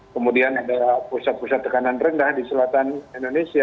kemudian ada pusat pusat tekanan rendah di selatan indonesia